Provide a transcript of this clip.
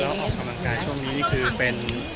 แล้วออกกำลังกายช่วงนี้คือเป็น